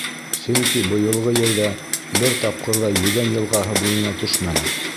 Сөнки быйылғы йәйҙә бер тапҡыр ҙа Егән йылғаһы буйына төшмәнек.